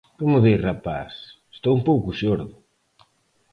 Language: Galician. Como dis, rapaz? Estou un pouco xordo.